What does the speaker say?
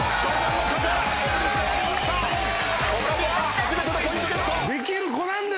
初めてのポイントゲット。